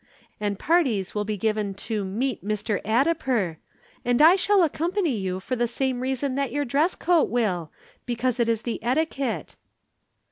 And parties will be given 'To meet Mr. Addiper,' and I shall accompany you for the same reason that your dress coat will because it is the etiquette."